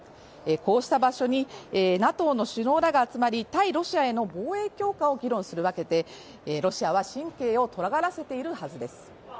こうした場所にＮＡＴＯの首脳らが集まり対ロシアへの防衛強化を議論するわけで、ロシアは神経をとがらせているはずです。